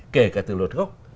kể cả từ luật gốc